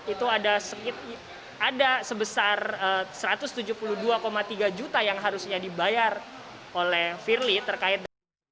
itu ada sebesar satu ratus tujuh puluh dua tiga juta yang harusnya dibayar oleh firly terkait dengan